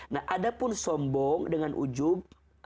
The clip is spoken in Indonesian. nah ada pun sombong dengan ujub